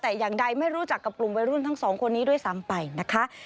แต่อย่างใดไม่รู้จักกับกลุ่มวัยรุ่นทั้งสองคนนี้ด้วยซ้ำไปนะคะ